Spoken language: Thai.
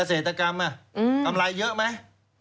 เศรษฐกรรมกำไรเยอะไหม